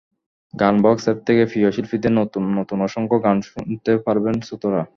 Gaanbox app থেকে প্রিয় শিল্পীদের নতুন নতুন অসংখ্য গান শুনতে পারবেন শ্রোতারা।